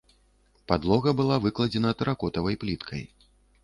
Падлога была выкладзена тэракотавай пліткай.